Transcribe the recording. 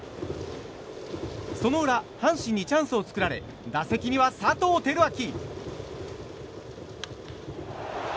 その裏、阪神にチャンスを作られ打席には佐藤輝明。